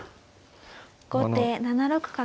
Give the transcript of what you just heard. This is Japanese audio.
後手７六角。